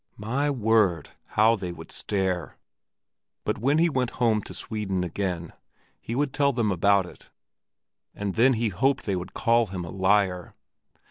My word, how they would stare! But when he went home to Sweden again, he would tell them about it, and then he hoped they would call him a liar.